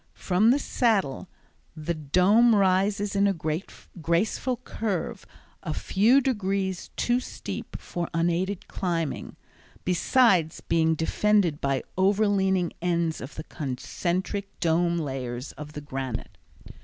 From the Saddle the Dome rises in a graceful curve a few degrees too steep for unaided climbing, besides being defended by overleaning ends of the concentric dome layers of the granite.